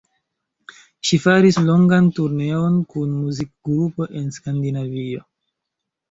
Ŝi faris longan turneon kun muzikgrupo en Skandinavio.